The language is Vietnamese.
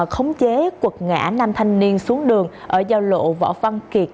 khống chế quật ngã năm thanh niên xuống đường ở giao lộ võ văn kiệt